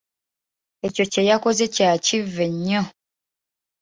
Ekyo kye yakoze kya kivve nnyo.